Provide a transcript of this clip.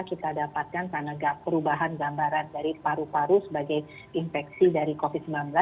kita dapatkan karena perubahan gambaran dari paru paru sebagai infeksi dari covid sembilan belas